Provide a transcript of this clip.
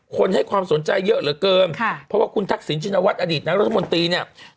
ให้ความสนใจเยอะเหลือเกินค่ะเพราะว่าคุณทักษิณชินวัฒนอดีตนายรัฐมนตรีเนี่ย